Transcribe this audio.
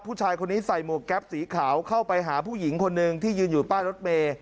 ผู้ชายคนนี้ใส่หมวกแก๊ปสีขาวเข้าไปหาผู้หญิงคนหนึ่งที่ยืนอยู่ป้ายรถเมย์